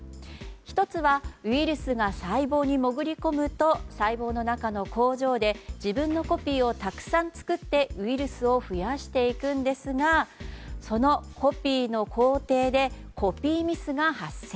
１つはウイルスが細胞に潜り込むと細胞の中の工場で自分のコピーをたくさん作ってウイルスを増やしていくんですがそのコピーの工程でコピーミスが発生。